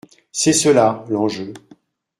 C’est cela, l’enjeu.